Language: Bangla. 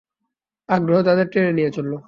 আগ্রহ তাদের টেনে নিয়ে চলল।